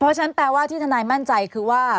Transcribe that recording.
เพราะฉะนั้นแปลว่าที่ทนายมั่นใจคือว่า